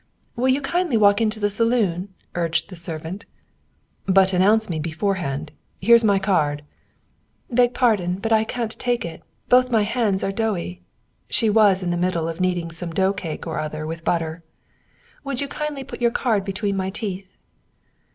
"Would you kindly walk into the saloon?" urged the servant. "But announce me beforehand. Here's my card." "Beg pardon, but I can't take it; both my hands are doughy." (She was in the middle of kneading some dough cake or other with butter.) "Would you kindly put your card between my teeth?"